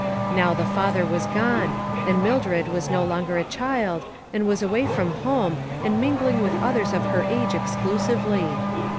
Now the father was gone, and Mildred was no longer a child, and was away from home, and mingling with others of her age exclusively.